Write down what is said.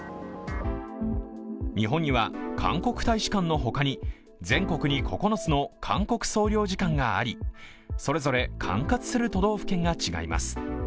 日本には、韓国大使館のほかに全国に９つの韓国総領事館がありそれぞれ管轄する都道府県が違います。